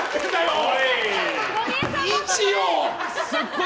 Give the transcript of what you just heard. おい！